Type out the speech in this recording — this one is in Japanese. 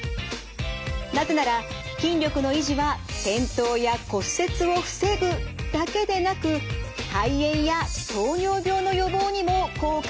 なぜなら筋力の維持は転倒や骨折を防ぐだけでなく肺炎や糖尿病の予防にも効果があるからです。